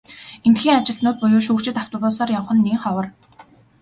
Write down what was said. Эндэхийн ажилтнууд буюу шүүгчид автобусаар явах нь нэн ховор.